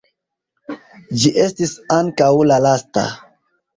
Ĝi estis ankaŭ la lasta.